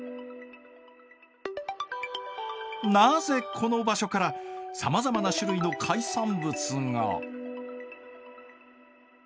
なぜこの場所からさまざまな種類の海産物が？